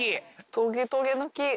トゲトゲの木。